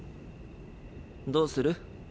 どうする？